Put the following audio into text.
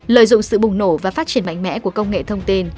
lợi dụng sự bùng nổ và phát triển mạnh mẽ của công nghệ thông tin